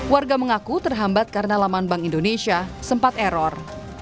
warga mengaku terhambat karena laman bank indonesia sempat error